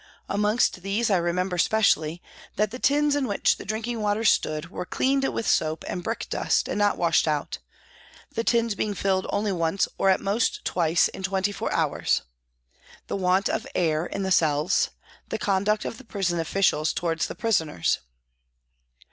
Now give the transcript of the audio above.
Amongst these I remember specially that the tins in which the drinking water stood were cleaned with soap and brick dust and not washed out, the tins being filled only once or at most twice in twenty four hours ; the want of air in the cells ; the conduct of prison officials towards the prisoners.